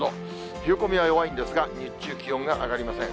冷え込みは弱いんですが、日中、気温が上がりません。